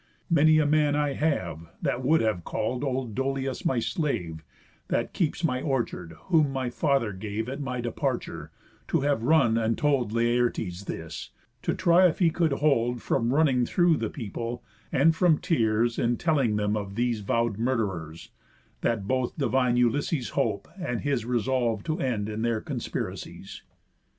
Many a man I have, That would have call'd old Dolius my slave, (That keeps my orchard, whom my father gave At my departure) to have run, and told Laertes this; to try if he could hold From running through the people, and from tears, In telling them of these vow'd murderers; That both divine Ulysses' hope, and his, Resolv'd to end in their conspiracies."